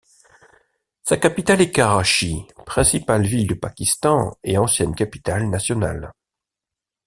Sa capitale est Karachi, principale ville du Pakistan et ancienne capitale nationale.